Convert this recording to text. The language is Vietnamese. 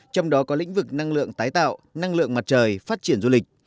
trong đó có lĩnh vực năng lượng tái tạo năng lượng mặt trời phát triển du lịch